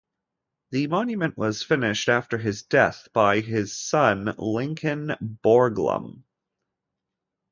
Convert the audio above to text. The monument was finished after his death by his son Lincoln Borglum.